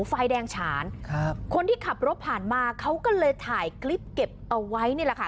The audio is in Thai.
ไฟแดงฉานครับคนที่ขับรถผ่านมาเขาก็เลยถ่ายคลิปเก็บเอาไว้นี่แหละค่ะ